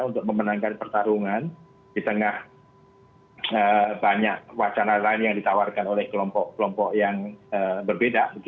untuk memenangkan pertarungan di tengah banyak wacana lain yang ditawarkan oleh kelompok kelompok yang berbeda